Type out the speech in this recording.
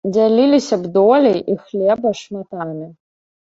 Дзяліліся б доляй і хлеба шматамі.